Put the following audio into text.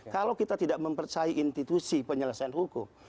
kalau kita tidak mempercayai institusi penyelesaian hukum